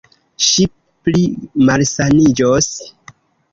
Ŝi pli malsaniĝos.